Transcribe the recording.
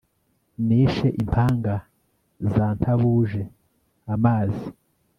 nishe impanga za ntabuje amazi